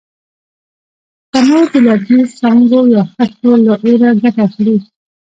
تنور د لرګي، څانګو یا خښتو له اوره ګټه اخلي